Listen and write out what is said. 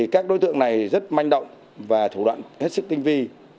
các đối tượng này rất manh động và thủ đoạn hết sức tinh vi